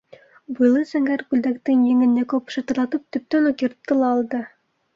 Буйлы зәңгәр күлдәктең еңен Яҡуп шатырлатып төптән үк йыртты ла алды.